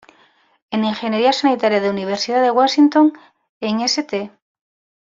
En ingeniería sanitaria de Universidad de Washington en St.